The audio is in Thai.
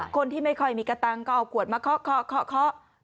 คนที่ไม่ค่อยมีกระตังค์ก็เอาขวดมาเคาะ